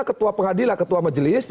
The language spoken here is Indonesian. ketua pengadil ketua majelis